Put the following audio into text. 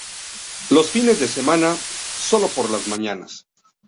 Los fines de semana, sólo por las mañanas.